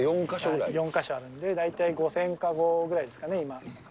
４か所あるんで、大体５０００籠ぐらいですかね、今。